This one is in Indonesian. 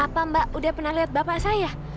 apa mbak udah pernah lihat bapak saya